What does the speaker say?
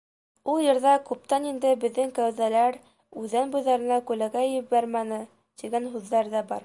Ул йырҙа «Күптән инде беҙҙең кәүҙәләр үҙән буйҙарына күләгә ебәрмәне...» тигән һүҙҙәр ҙә бар.